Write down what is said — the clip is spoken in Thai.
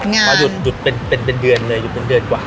งานเราหยุดเป็นเดือนเลย